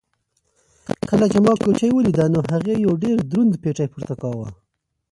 کله چې ما کوچۍ ولیده نو هغې یو ډېر دروند پېټی پورته کاوه.